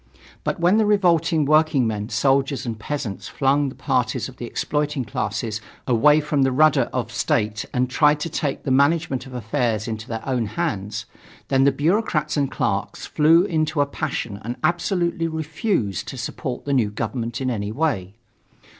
But when the revolting workingmen, soldiers and peasants flung the parties of the exploiting classes away from the rudder of State and tried to take the management of affairs into their own hands, then the bureaucrats and clerks flew into a passion and absolutely refused to support the new government in any way.